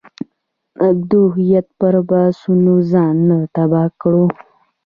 موږ د هویت پر بحثونو ځان نه تباه کړو.